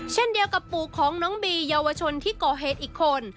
เช่นเดียวกับปู่ของน้องบีเยาวชนที่ก่อเหตุอีกคน